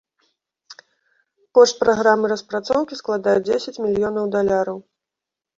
Кошт праграмы распрацоўкі складае дзесяць мільёнаў даляраў.